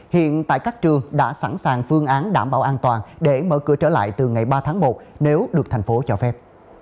hiện tại các trường đã sẵn sàng phương án đảm bảo an toàn để mở cửa trở lại từ ngày ba tháng một nếu được thành phố cho phép